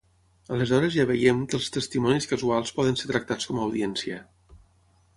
Aleshores ja veiem que els testimonis casuals poden ser tractats com a audiència.